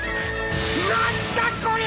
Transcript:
何だこりゃ！